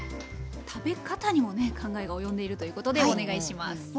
食べ方にもね考えが及んでいるということでお願いします！